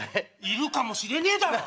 いるかもしれねえだろ。